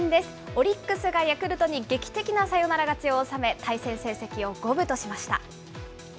オリックスがヤクルトに劇的なサヨナラ勝ちを収め、対戦成績を五分としました。